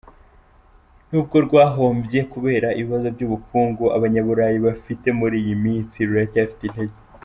Nubwo rwahombye kubera ibibazo by’ubukungu Abanyaburayi bafite muri iyi minsi, ruracyafite intege.